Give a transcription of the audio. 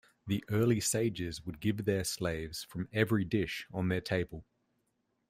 The early sages would give their slaves from every dish on their table.